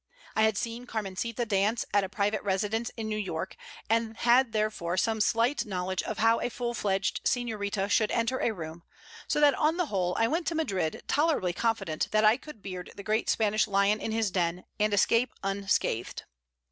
I had seen Carmencita dance at a private residence in New York, and had therefore some slight knowledge of how a full fledged señorita should enter a room, so that, on the whole, I went to Madrid tolerably confident that I could beard the great Spanish lion in his den, and escape unscathed.